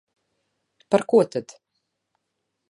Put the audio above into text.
Par ko tad?